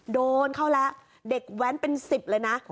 โดนเข้าแล้วเด็กแว้นเป็น๑๐เลยนะ